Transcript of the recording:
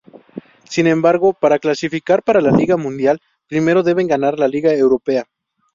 Sin embargo, para clasificar para la Liga Mundial, primero deben ganar la Liga Europea.